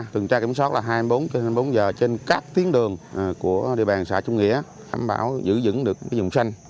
tuần tra kiểm soát là hai mươi bốn trên hai mươi bốn giờ trên các tiến đường của địa bàn xã trung nghĩa đảm bảo giữ dững được dùng xanh